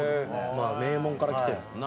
まあ名門から来てるもんな。